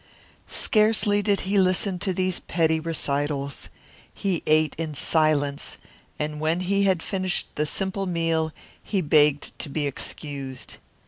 Scarcely did he listen to these petty recitals. He ate in silence, and when he had finished the simple meal he begged to be excused.